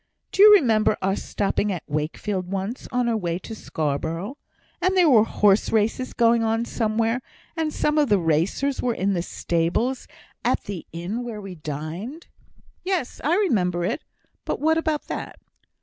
"Do you remember our stopping at Wakefield once, on our way to Scarborough, and there were horse races going on somewhere, and some of the racers were in the stables at the inn where we dined?" "Yes! I remember it; but what about that?"